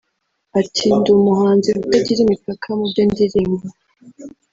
Ati “Ndi umuhanzi utagira imipaka mu byo ndirimba